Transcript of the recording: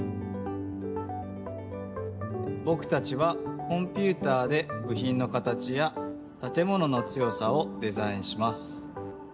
ぼくたちはコンピューターでぶひんの形やたてものの強さをデザインします。